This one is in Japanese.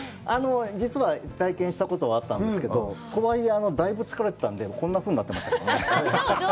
実は、体験したことはあったんですけど、だいぶ疲れたので、こんなふうになってました。